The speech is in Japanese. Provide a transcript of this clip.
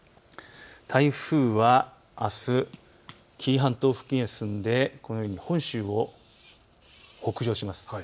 台風はあす紀伊半島付近へ進んでこのように本州を北上します。